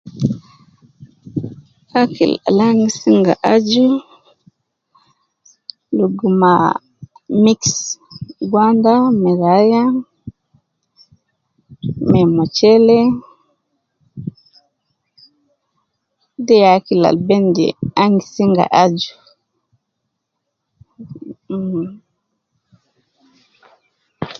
Akil al ana gi singa aju, luguma, mixed gwanda me raya , me muchele , de ya akil al ben je ana gi singa aju, mmh